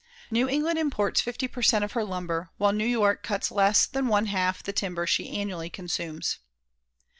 New England imports 50 per cent. of her lumber, while New York cuts less than one half the timber she annually consumes.